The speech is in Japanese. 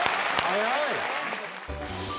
早い！